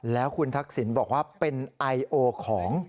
แล้วคุณทักษิณบอกว่าเป็นไอโอของ